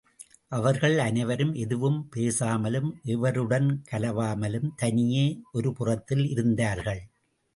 அவர்கள் அனைவரும் எதுவும் பேசாமலும், எவருடன் கலவாமலும் தனியே ஒரு புறத்தில் இருந்தார்கள்.